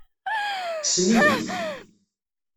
Kksen-iyi-t.